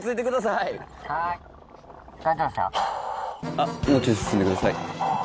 あっもうちょい進んでください。